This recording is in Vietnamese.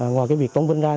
ngoài việc công vân ra